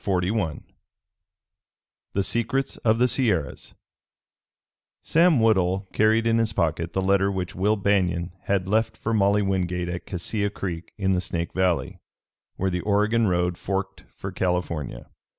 CHAPTER XLI THE SECRETS OF THE SIERRAS Sam Woodhull carried in his pocket the letter which Will Banion had left for Molly Wingate at Cassia Creek in the Snake Valley, where the Oregon road forked for California.